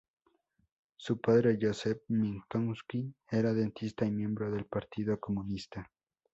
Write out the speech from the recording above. Su padre, Joseph Minkowski, era dentista y miembro del partido comunista.